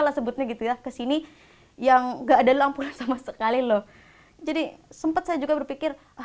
lah sebutnya gitu ya kesini yang enggak ada lampuran sama sekali loh jadi sempat saya juga berpikir